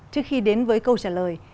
trước khi đến với câu trả lời